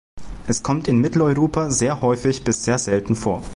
Es kommt in Mitteleuropa sehr häufig bis sehr selten vor.